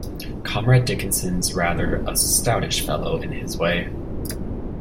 Comrade Dickinson's rather a stoutish fellow in his way.